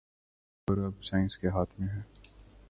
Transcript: باگ ڈور اب سائنس کے ہاتھ میں ھے